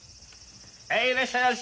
はいいらっしゃいまし。